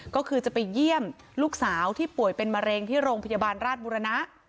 ก็คือจะไปเยี่ยมลูกสาวที่ป่วยเป็นมะเร็งที่โรงพยาบาลราชบุรณะ